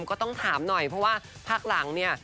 ก็ต้องถามหน่อยเพราะว่าพักหลังเนี่ย